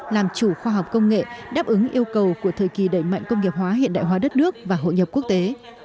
làm chủ khoa học công nghệ đáp ứng yêu cầu của thời kỳ đẩy mạnh công nghiệp hóa hiện đại hóa đất nước và hội nhập quốc tế